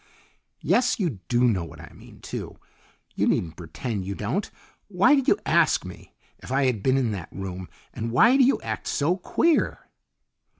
"Yes, you do know what I mean, too; you needn't pretend you don't. Why did you ask me if I had been in that room, and why do you act so queer?"